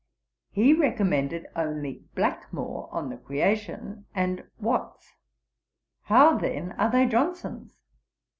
He recommended only Blackmore on the Creation, and Watts. How then are they Johnson's?